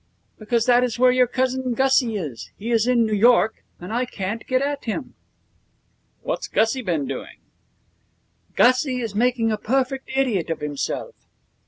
'Because that is where your Cousin Gussie is. He is in New York, and I can't get at him.' 'What's Gussie been doing?' 'Gussie is making a perfect idiot of himself.'